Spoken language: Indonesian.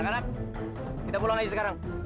langganan kita pulang aja sekarang